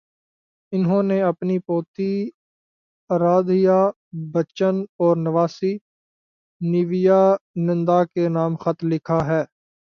انہوں نے اپنی پوتی ارادھیابچن اور نواسی نیویا ننداکے نام خط لکھا ہے۔